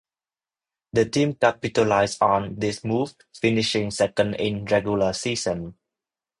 The team capitalised on this move, finishing second in the regular season.